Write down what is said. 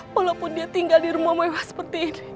walaupun dia tinggal di rumah mewah seperti ini